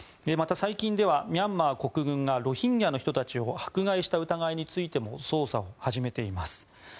また、最近ではミャンマー国軍がロヒンギャの人たちを迫害した疑いについても捜査を始めています。